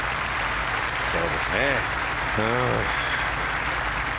そうですね。